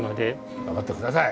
頑張って下さい！